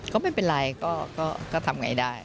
ก็ไม่เป็นไรก็ทำไงได้